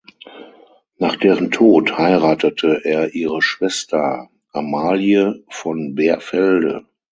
Nach deren Tod heiratete er ihre Schwester Amalie von Beerfelde.